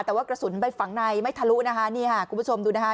แต่ว่ากระสุนไปฝังในไม่ทะลุนะคะนี่ค่ะคุณผู้ชมดูนะคะ